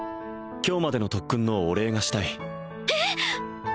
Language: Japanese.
今日までの特訓のお礼がしたいえっ！